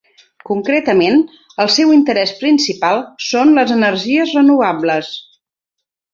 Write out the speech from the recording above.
Concretament, el seu interès principal són les energies renovables.